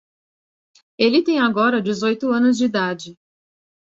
Ele tem agora dezoito anos de idade.